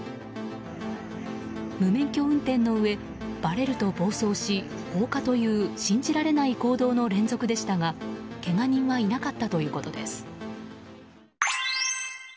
無免許運転のうえばれると暴走し放火という信じられない行動の連続でしたがけが人はいなかったということです。